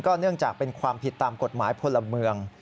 เนื่องจากเป็นความผิดตามกฎหมายพลเมือง